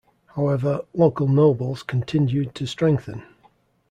However, local nobles continued to strengthen.